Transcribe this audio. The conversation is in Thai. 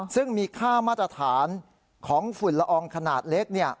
ซึ่งมีค่ามาตรฐานของฝุ่นละอองขนาดเล็ก